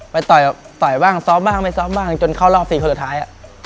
ต่อยบ้างซ้อมบ้างไม่ซ้อมบ้างจนเข้ารอบ๔คนสุดท้าย